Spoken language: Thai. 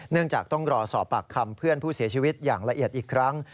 จากต้องรอสอบปากคำเพื่อนผู้เสียชีวิตอย่างละเอียดอีกครั้ง